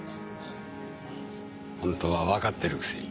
本当はわかってるくせに。